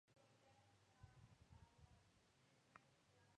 Su nombre oficial era "Seminario Menor Diocesano Nuestra Señora de Montalegre".